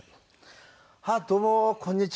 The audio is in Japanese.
あっどうもこんにちは。